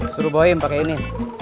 suruh bohem pake ini